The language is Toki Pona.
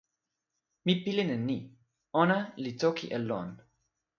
mi pilin e ni: ona li toki e lon.